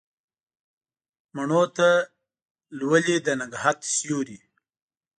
مڼو ته لولي د نګهت سیوري